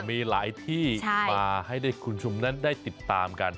มีหลายที่มาให้ได้คุณผู้ชมนั้นได้ติดตามกัน